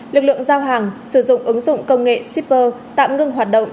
lực lượng giao hàng sử dụng ứng dụng công nghệ shipper tạm ngưng hoạt động